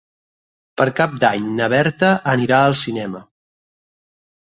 Per Cap d'Any na Berta anirà al cinema.